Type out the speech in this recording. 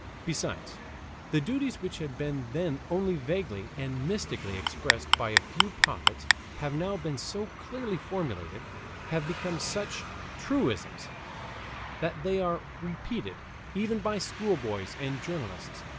Besides, the duties which had then been only vaguely and mystically expressed by a few prophets have now been so clearly formulated, have become such truisms, that they are repeated even by schoolboys and journalists.